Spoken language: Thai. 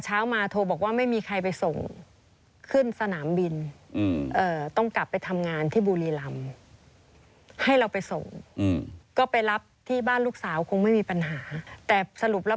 เช้ามาโทรบอกว่าไม่มีใครไปส่งขึ้นสนามบินต้องกลับไปทำงานที่บุรีรำให้เราไปส่งก็ไปรับที่บ้านลูกสาวคงไม่มีปัญหาแต่สรุปแล้ว